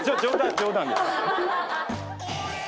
冗談ですか？